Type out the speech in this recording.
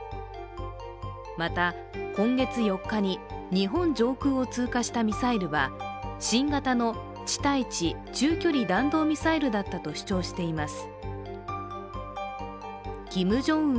また、今月４日に日本上空を通過したミサイルは、新型の地対地中長距離弾道ミサイルだったと主張しています。